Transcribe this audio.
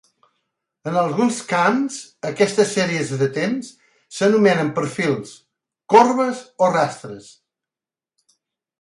En alguns camps, aquestes "sèries de temps" s'anomenen perfils, corbes o rastres.